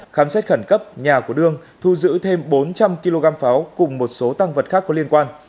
khám xét khẩn cấp nhà của đương thu giữ thêm bốn trăm linh kg pháo cùng một số tăng vật khác có liên quan